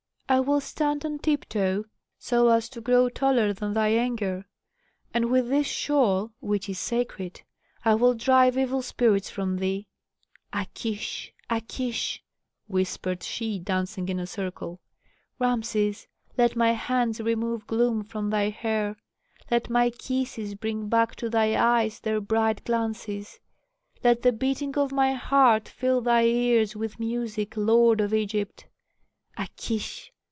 "I will stand on tiptoe, so as to grow taller than thy anger, and with this shawl, which is sacred, I will drive evil spirits from thee. A kish! a kish!" whispered she, dancing in a circle. "Rameses, let my hands remove gloom from thy hair, let my kisses bring back to thy eyes their bright glances. Let the beating of my heart fill thy ears with music, lord of Egypt. A kish!